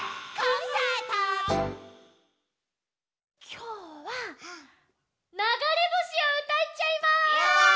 きょうは「ながれぼし」をうたっちゃいます！